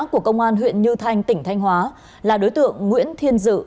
của công an huyện như thanh tỉnh thanh hóa là đối tượng nguyễn thiên dự